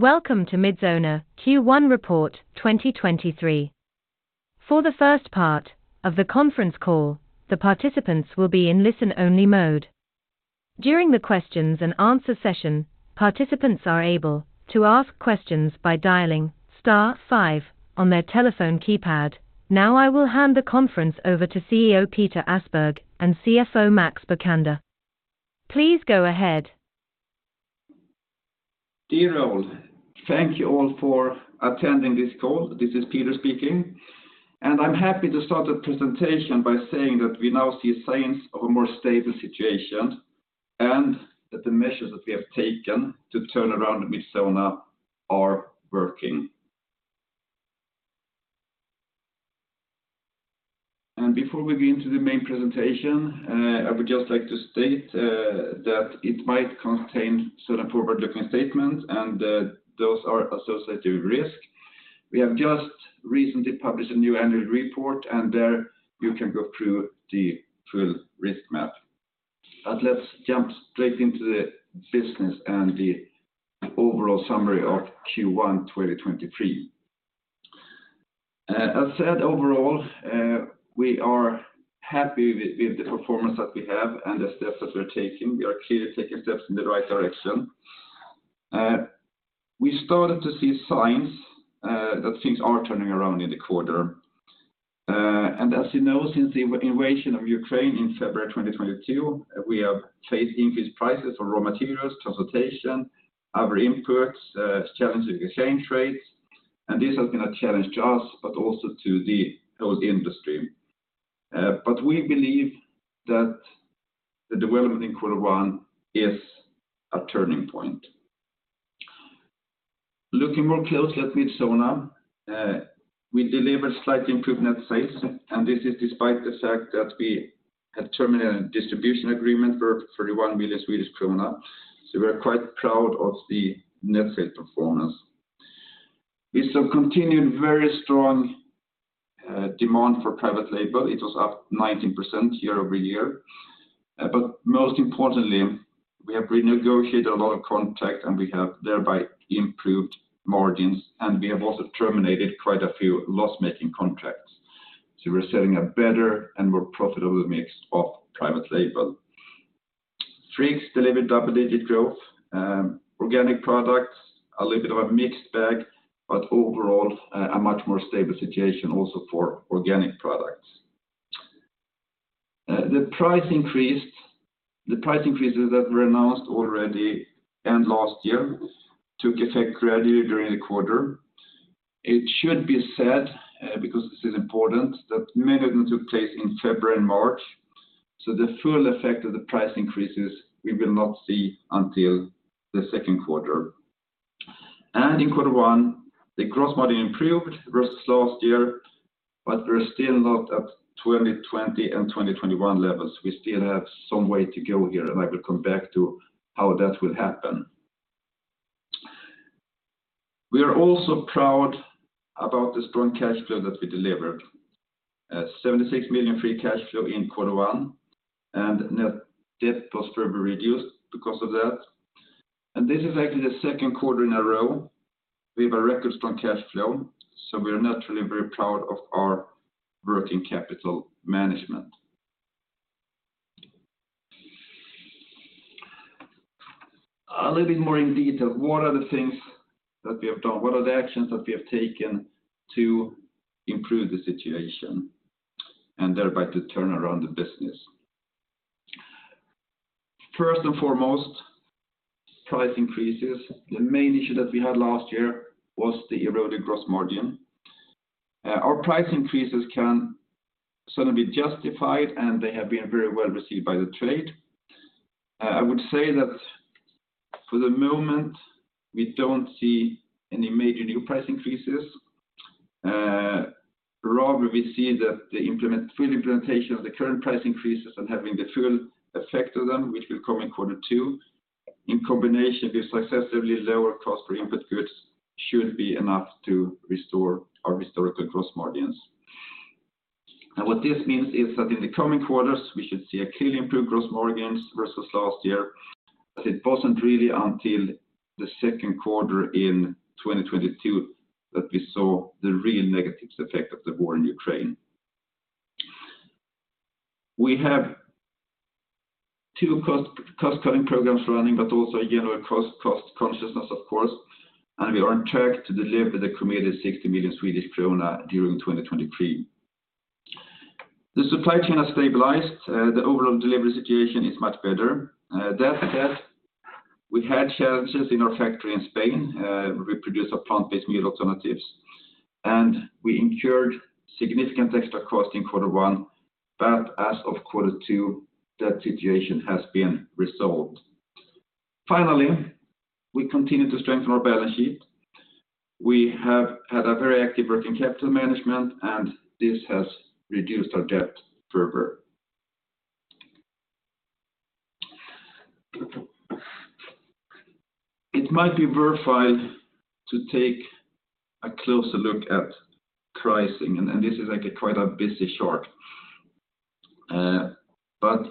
Welcome to Midsona Q1 report 2023. For the first part of the conference call, the participants will be in listen-only mode. During the questions and answer session, participants are able to ask questions by dialing Star five on their telephone keypad. Now I will hand the conference over to CEO Peter Åsberg and CFO Max Bokander. Please go ahead. Dear all, thank you all for attending this call. This is Peter Åsberg speaking, I'm happy to start the presentation by saying that we now see signs of a more stable situation and that the measures that we have taken to turn around the Midsona are working. Before we begin to the main presentation, I would just like to state that it might contain certain forward-looking statements, and those are associated with risk. We have just recently published a new annual report, there you can go through the full risk map. Let's jump straight into the business and the overall summary of Q1 2023. As said overall, we are happy with the performance that we have and the steps that we're taking. We are clearly taking steps in the right direction. We started to see signs that things are turning around in the quarter. As you know, since the invasion of Ukraine in February 2022, we have faced increased prices for raw materials, transportation, other inputs, challenging exchange rates, and this has been a challenge to us, but also to the whole industry. We believe that the development in quarter one is a turning point. Looking more closely at Midsona, we delivered slight improvement at sales, and this is despite the fact that we had terminated a distribution agreement for 31 million Swedish krona. We're quite proud of the net sales performance. We saw continued very strong demand for private label. It was up 19% year-over-year. Most importantly, we have renegotiated a lot of contracts, and we have thereby improved margins, and we have also terminated quite a few loss-making contracts. We're selling a better and more profitable mix of private label. Gainomax delivered double-digit growth. Organic products, a little bit of a mixed bag, but overall, a much more stable situation also for organic products. The price increases that were announced already and last year took effect gradually during the quarter. It should be said, because this is important, that many of them took place in February and March, so the full effect of the price increases we will not see until the second quarter. In quarter one, the gross margin improved versus last year, but we're still not at 2020 and 2021 levels. We still have some way to go here, and I will come back to how that will happen. We are also proud about the strong cash flow that we delivered. 76 million free cash flow in Q1, net debt was further reduced because of that. This is actually the second quarter in a row we have a record strong cash flow, so we are naturally very proud of our working capital management. A little bit more in detail, what are the things that we have done? What are the actions that we have taken to improve the situation and thereby to turn around the business? First and foremost, price increases. The main issue that we had last year was the eroded gross margin. Our price increases can certainly be justified, and they have been very well-received by the trade. I would say that for the moment, we don't see any major new price increases. Rather, we see the full implementation of the current price increases and having the full effect of them, which will come in quarter 2, in combination with successively lower cost for input goods, should be enough to restore our historical gross margins. Now what this means is that in the coming quarters, we should see a clearly improved gross margins versus last year, but it wasn't really until the second quarter in 2022 that we saw the real negative effect of the war in Ukraine. We have two cost-cutting programs running, but also a general cost consciousness, of course, and we are on track to deliver the committed 60 million Swedish krona during 2023. The supply chain has stabilized. The overall delivery situation is much better. That said, we had challenges in our factory in Spain, where we produce our plant-based meal alternatives, and we incurred significant extra cost in quarter one. As of quarter 2, that situation has been resolved. Finally, we continue to strengthen our balance sheet. We have had a very active working capital management, this has reduced our debt further. It might be verified to take a closer look at pricing, and this is actually quite a busy chart.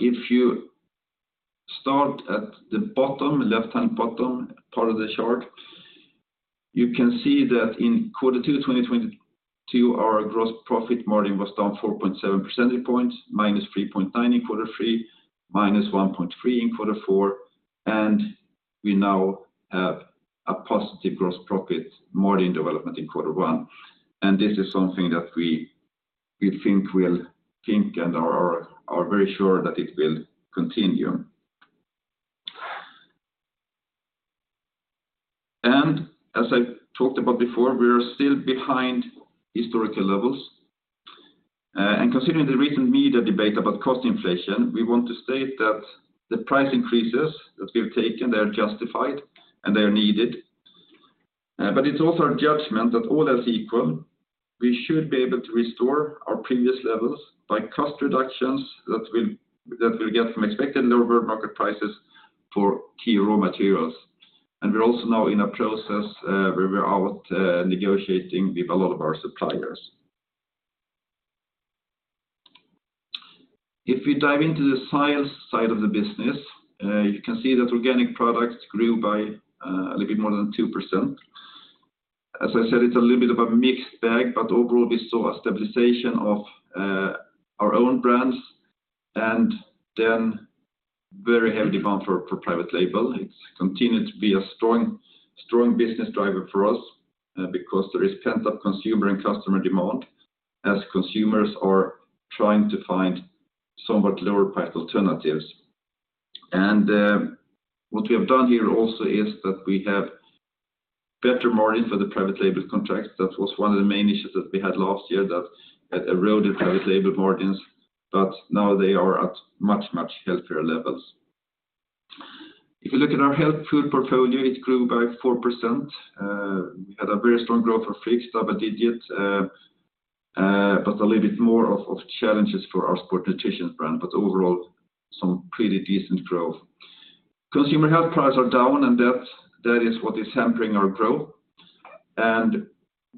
If you start at the bottom, left-hand bottom part of the chart, you can see that in quarter two 2022, our gross profit margin was down 4.7 percentage points, -3.9% in quarter three, -1.3% in quarter four, and we now have a positive gross profit margin development in quarter 1. This is something that we think we'll think and are very sure that it will continue. As I talked about before, we are still behind historical levels. Considering the recent media debate about cost inflation, we want to state that the price increases that we have taken, they are justified and they are needed. It's also our judgment that all else equal, we should be able to restore our previous levels by cost reductions that we'll get from expected lower market prices for key raw materials. We're also now in a process where we're out negotiating with a lot of our suppliers. If we dive into the science side of the business, you can see that organic products grew by a little bit more than 2%. As I said, it's a little bit of a mixed bag. Overall, we saw a stabilization of our own brands and then very heavy demand for private label. It's continued to be a strong business driver for us because there is pent-up consumer and customer demand as consumers are trying to find somewhat lower price alternatives. What we have done here also is that we have better margin for the private label contracts. That was one of the main issues that we had last year that had eroded private label margins, but now they are at much healthier levels. If you look at our health food portfolio, it grew by 4%. We had a very strong growth for Gainomax but did yet, but a little bit more of challenges for our sports nutrition brand, but overall, some pretty decent growth. Consumer health prices are down, that is what is hampering our growth.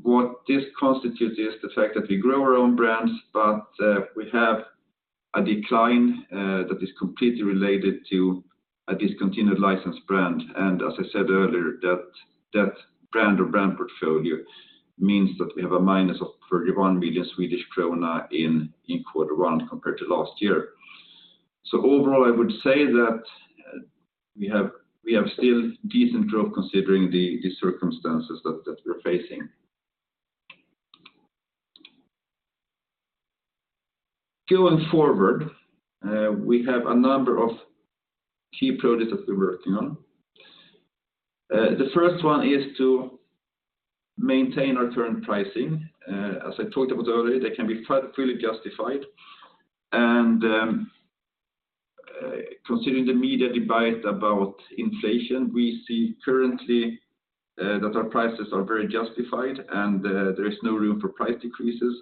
What this constitutes is the fact that we grow our own brands, but we have a decline that is completely related to a discontinued licensed brand. As I said earlier, that brand or brand portfolio means that we have a minus of 31 million Swedish krona in quarter one compared to last year. Overall, I would say that we have still decent growth considering the circumstances that we're facing. Going forward, we have a number of key projects that we're working on. The first one is to maintain our current pricing. As I talked about earlier, they can be fully justified. Considering the media debate about inflation, we see currently that our prices are very justified and there is no room for price decreases.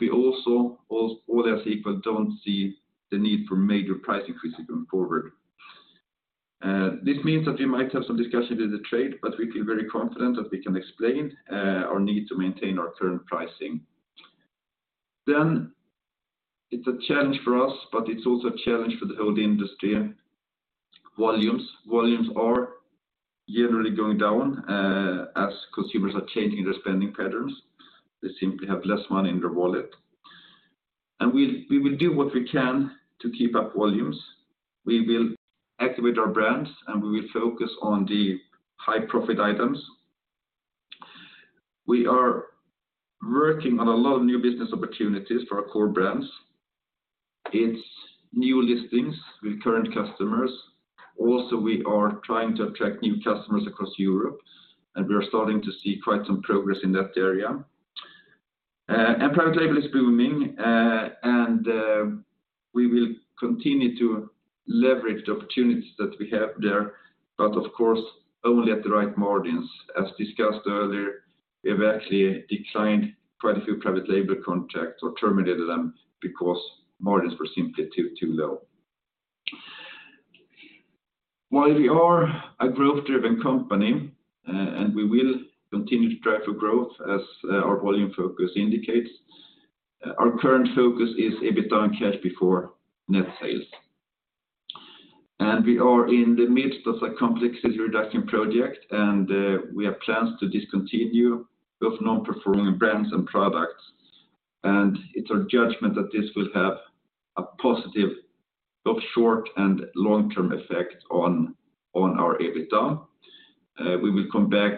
We also, all else equal, don't see the need for major price increases going forward. This means that we might have some discussion with the trade, but we feel very confident that we can explain our need to maintain our current pricing. It's a challenge for us, but it's also a challenge for the whole industry volumes. Volumes are generally going down as consumers are changing their spending patterns. They simply have less money in their wallet. We will do what we can to keep up volumes. We will activate our brands, and we will focus on the high profit items. We are working on a lot of new business opportunities for our core brands. It's new listings with current customers. Also, we are trying to attract new customers across Europe, and we are starting to see quite some progress in that area. Private label is booming, and we will continue to leverage the opportunities that we have there, but of course, only at the right margins. As discussed earlier, we have actually declined quite a few private label contracts or terminated them because margins were simply too low. While we are a growth-driven company, and we will continue to drive for growth as our volume focus indicates, our current focus is EBITDA and cash before net sales. We are in the midst of a complex cost reduction project, and we have plans to discontinue both non-performing brands and products. It's our judgment that this will have a positive both short and long-term effect on our EBITDA. We will come back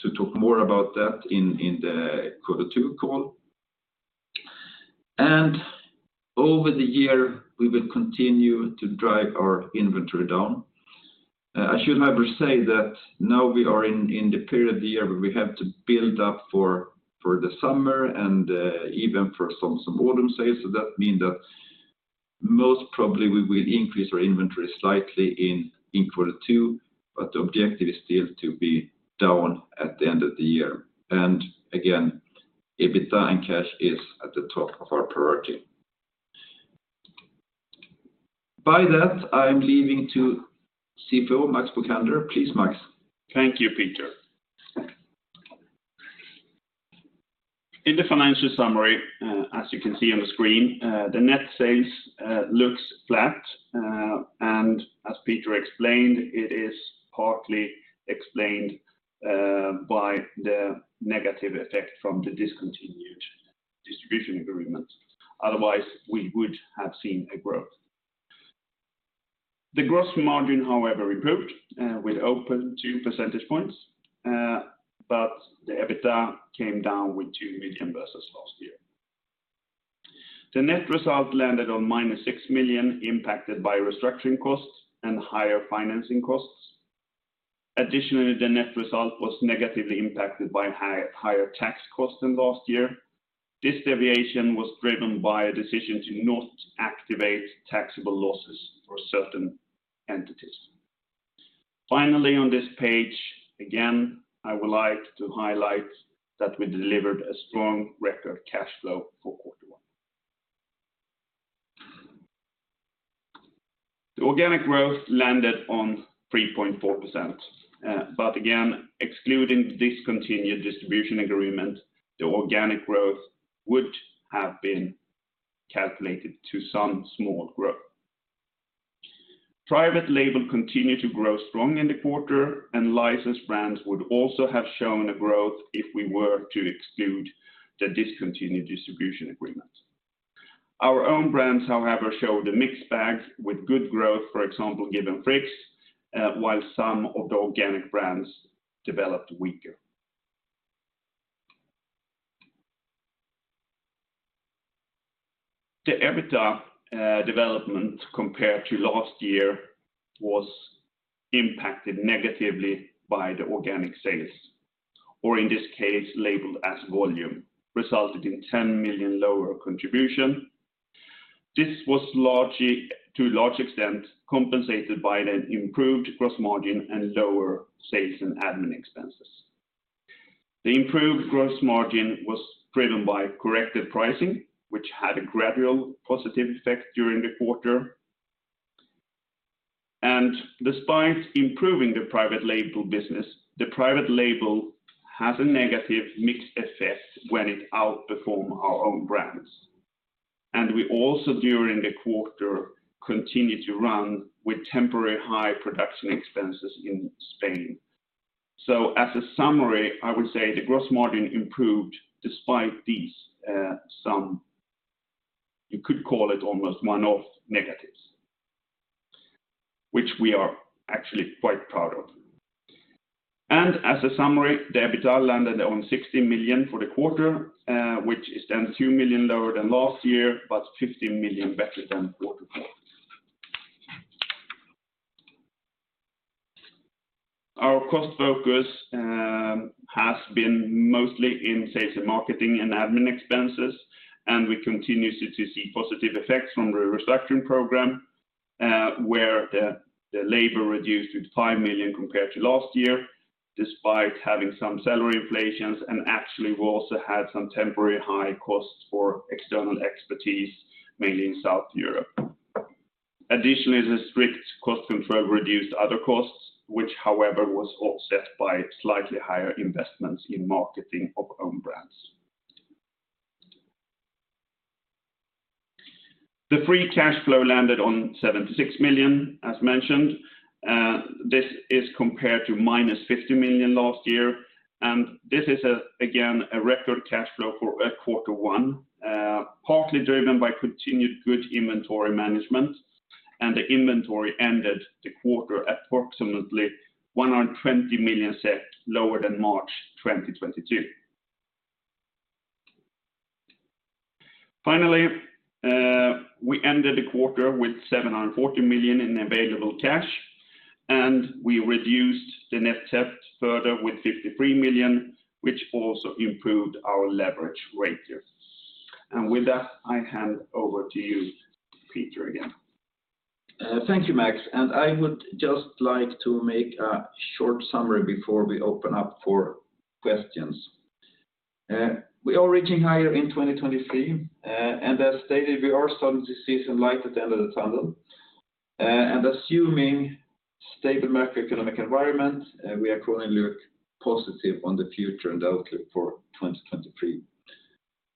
to talk more about that in the quarter 2 call. Over the year, we will continue to drive our inventory down. I should however say that now we are in the period of the year where we have to build up for the summer and even for some autumn sales. That mean that most probably we will increase our inventory slightly in quarter 2, but the objective is still to be down at the end of the year. Again, EBITDA and cash is at the top of our priority. I'm leaving to CFO Max Bokander. Please, Max. Thank you, Peter. In the financial summary, as you can see on the screen, the net sales looks flat. As Peter explained, it is partly explained by the negative effect from the discontinued distribution agreement. Otherwise, we would have seen a growth. The gross margin, however, improved with 0.2% points. The EBITDA came down with 2 million versus last year. The net result landed on minus 6 million impacted by restructuring costs and higher financing costs. Additionally, the net result was negatively impacted by higher tax costs than last year. This deviation was driven by a decision to not activate taxable losses for certain entities. Finally, on this page, again, I would like to highlight that we delivered a strong record cash flow for quarter 1. The organic growth landed on 3.4%. Again, excluding discontinued distribution agreement, the organic growth would have been calculated to some small growth. Private label continued to grow strong in the quarter, licensed brands would also have shown a growth if we were to exclude the discontinued distribution agreement. Our own brands, however, showed a mixed bag with good growth, for example, given Friggs, while some of the organic brands developed weaker. The EBITDA development compared to last year was impacted negatively by the organic sales, or in this case, labeled as volume, resulted in 10 million lower contribution. This was to a large extent compensated by an improved gross margin and lower sales and admin expenses. The improved gross margin was driven by corrective pricing, which had a gradual positive effect during the quarter. Despite improving the private label business, the private label has a negative mixed effect when it outperform our own brands. We also, during the quarter, continued to run with temporary high production expenses in Spain. As a summary, I would say the gross margin improved despite these, some, you could call it almost one-off negatives, which we are actually quite proud of. As a summary, the EBITDA landed on 60 million for the quarter, which is then 2 million lower than last year, but 15 million better than Q4. Our cost focus has been mostly in sales and marketing and admin expenses, and we continue to see positive effects from the restructuring program, where the labor reduced with 5 million compared to last year, despite having some salary inflations. We also had some temporary high costs for external expertise, mainly in South Europe. Additionally, the strict cost control reduced other costs, which, however, was offset by slightly higher investments in marketing of own brands. The free cash flow landed on 76 million, as mentioned. This is compared to -50 million last year, and this is, again, a record cash flow for Q1, partly driven by continued good inventory management, and the inventory ended the quarter at approximately 120 million SEK lower than March 2022. We ended the quarter with 740 million in available cash, and we reduced the net debt further with 53 million, which also improved our leverage ratio. With that, I hand over to you, Peter, again. Thank you, Max. I would just like to make a short summary before we open up for questions. We are reaching higher in 2023, and as stated, we are starting to see some light at the end of the tunnel. Assuming stable macroeconomic environment, we are currently positive on the future and outlook for 2023.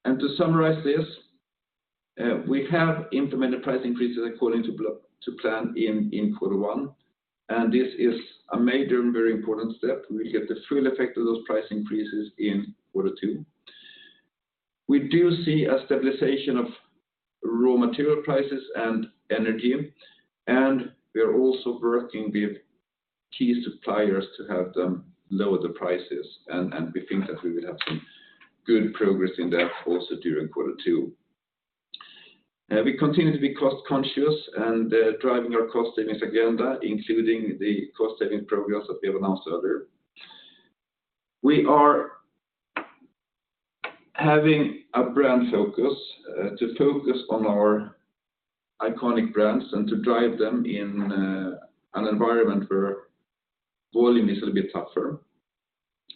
To summarize this, we have implemented price increases according to plan in quarter 1, and this is a major and very important step. We get the full effect of those price increases in quarter 2. We do see a stabilization of raw material prices and energy, and we are also working with key suppliers to have them lower the prices, and we think that we will have some good progress in that also during quarter 2. We continue to be cost-conscious and driving our cost savings agenda, including the cost-saving programs that we have announced earlier. We are having a brand focus to focus on our iconic brands and to drive them in an environment where volume is a little bit tougher.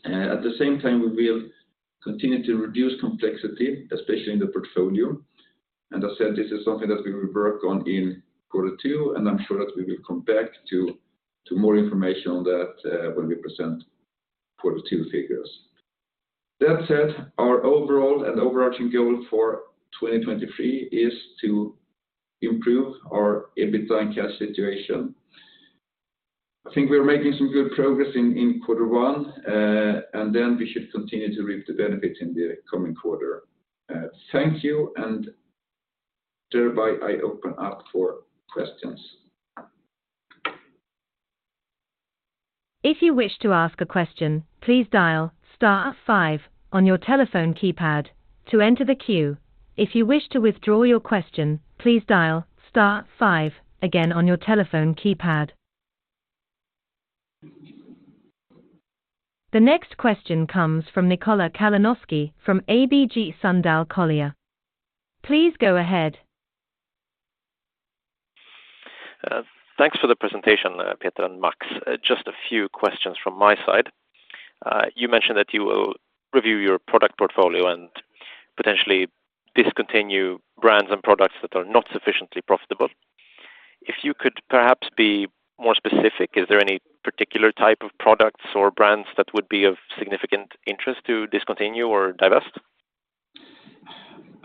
At the same time, we will continue to reduce complexity, especially in the portfolio. And I said this is something that we will work on in quarter 2, and I'm sure that we will come back to more information on that when we present quarter 2 figures. That said, our overall and overarching goal for 2023 is to improve our EBITDA and cash situation. I think we're making some good progress in quarter 1, and then we should continue to reap the benefits in the coming quarter. Thank you, thereby I open up for questions. If you wish to ask a question, please dial Star five on your telephone keypad to enter the queue. If you wish to withdraw your question, please dial Star five again on your telephone keypad. The next question comes from Nikola Kalanoski from ABG Sundal Collier. Please go ahead. Thanks for the presentation, Peter Åsberg and Max Bokander. Just a few questions from my side. You mentioned that you will review your product portfolio and potentially discontinue brands and products that are not sufficiently profitable. If you could perhaps be more specific, is there any particular type of products or brands that would be of significant interest to discontinue or divest?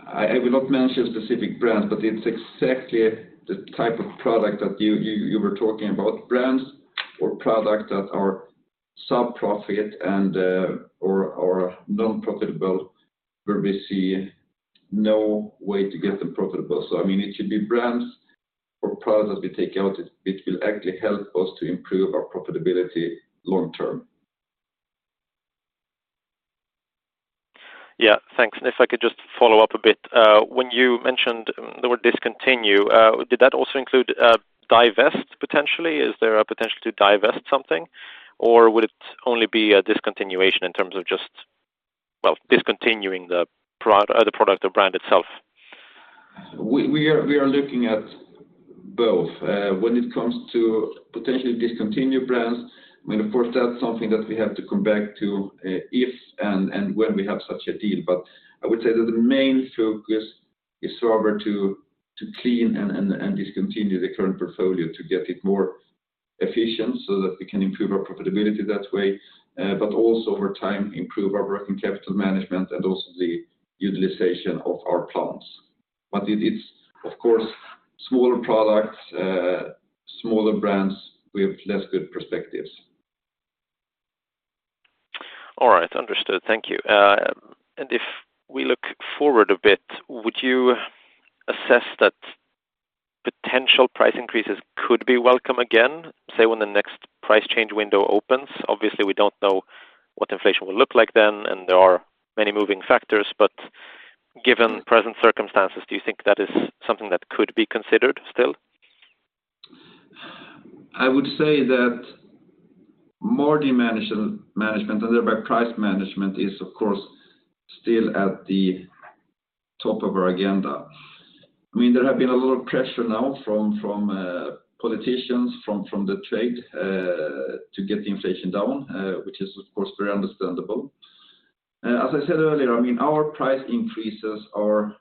I will not mention specific brands, but it's exactly the type of product that you were talking about brands or products that are sub profit and or non-profitable, where we see no way to get them profitable. I mean, it should be brands or products that we take out which will actually help us to improve our profitability long term. Yeah. Thanks. If I could just follow up a bit, when you mentioned the word discontinue, did that also include divest potentially? Is there a potential to divest something, or would it only be a discontinuation in terms of just, well, discontinuing the product or brand itself? We are looking at both when it comes to potentially discontinued brands. I mean, of course, that's something that we have to come back to if and when we have such a deal. I would say that the main focus is rather to clean and discontinue the current portfolio to get it more efficient so that we can improve our profitability that way, but also over time improve our working capital management and also the utilization of our plants. It is of course, smaller products, smaller brands with less good perspectives. All right. Understood. Thank you. If we look forward a bit, would you assess that potential price increases could be welcome again, say when the next price change window opens? Obviously, we don't know what inflation will look like then, and there are many moving factors, but given present circumstances, do you think that is something that could be considered still? I would say that margin management and thereby price management is of course still at the top of our agenda. I mean, there have been a lot of pressure now from politicians, from the trade, to get the inflation down, which is of course very understandable. As I said earlier, I mean, our price increases are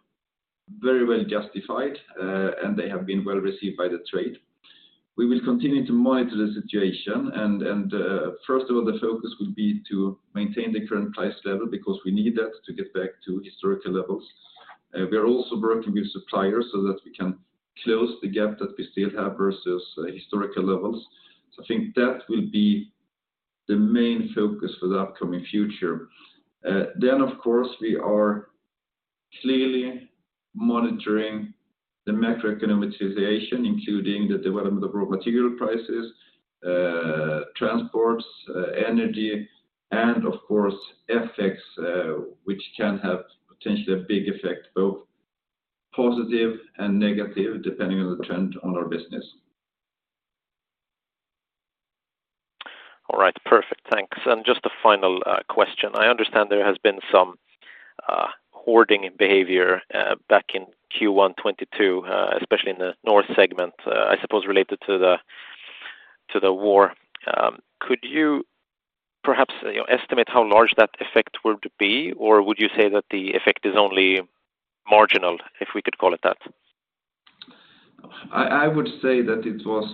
very well justified, and they have been well received by the trade. We will continue to monitor the situation and, first of all, the focus will be to maintain the current price level because we need that to get back to historical levels. We are also working with suppliers so that we can close the gap that we still have versus historical levels. I think that will be the main focus for the upcoming future. Of course, we are clearly monitoring the macroeconomic situation, including the development of raw material prices, transports, energy and of course FX, which can have potentially a big effect, both positive and negative, depending on the trend on our business. All right. Perfect. Thanks. Just a final, question. I understand there has been some hoarding behavior back in Q1 2022, especially in the North segment, I suppose related to the, to the war. Could you perhaps estimate how large that effect would be? Or would you say that the effect is only marginal, if we could call it that? I would say that it was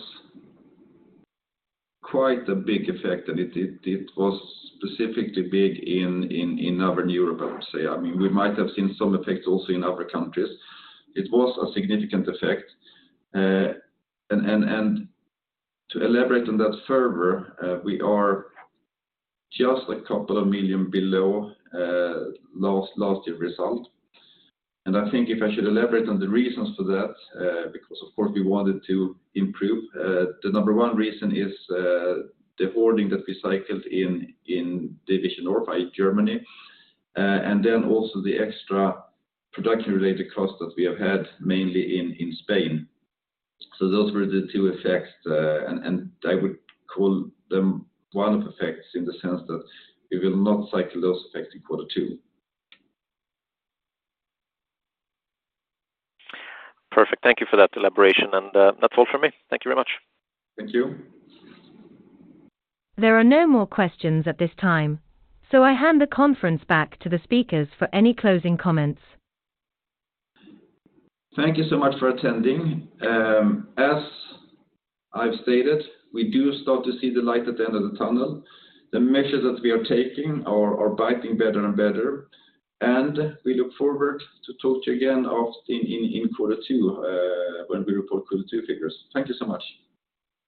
quite a big effect, and it was specifically big in Northern Europe, I would say. I mean, we might have seen some effects also in other countries. It was a significant effect. To elaborate on that further, we are just a couple of million below last year result. I think if I should elaborate on the reasons for that, because of course we wanted to improve. The number one reason is the hoarding that we cycled in Division North by Germany, and then also the extra production related costs that we have had mainly in Spain. Those were the two effects, and I would call them one-off effects in the sense that we will not cycle those effects in quarter 2. Perfect. Thank you for that elaboration. That's all for me. Thank you very much. Thank you. There are no more questions at this time. I hand the conference back to the speakers for any closing comments. Thank you so much for attending. As I've stated, we do start to see the light at the end of the tunnel. The measures that we are taking are biting better and better. We look forward to talk to you again in quarter two, when we report quarter two figures. Thank you so much.